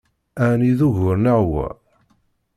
Ɛni d ugur-nneɣ wa?